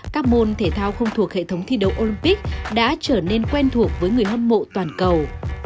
các môn thể thao không thuộc hệ thống thi đấu olympic đã trở nên quen thuộc với người hâm mộ toàn cầu